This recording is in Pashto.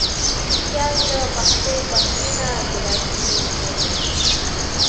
پیاز د پښتو پخلي نه جدا کېدونکی دی